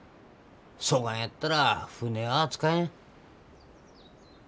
そがんやったら船は扱えん。